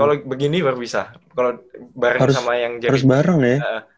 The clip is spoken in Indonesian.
kalo begini baru bisa kalo bareng sama yang jari